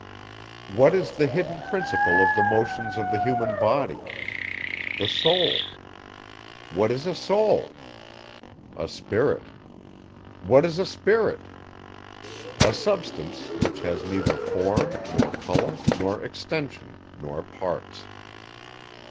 What is the hidden principle of the motions of the human body? The soul. What is a soul? A spirit. What is a spirit? A substance, which has neither form, nor colour, nor extension, nor parts.